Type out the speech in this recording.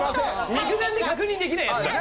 肉眼で確認できないやつだ。